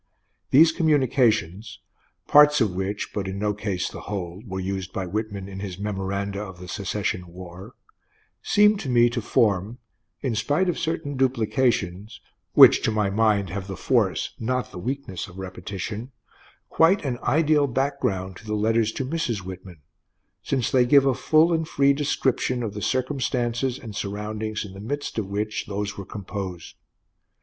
These communications (parts of which, but in no case the whole, were used by Whitman in his "Memoranda of the Secession War") seem to me to form, in spite of certain duplications, which to my mind have the force, not the weakness, of repetition, quite an ideal background to the letters to Mrs. Whitman, since they give a full and free description of the circumstances and surroundings in the midst of which those were composed.